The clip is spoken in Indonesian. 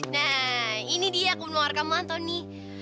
nah ini dia kebun mawar kamu antoni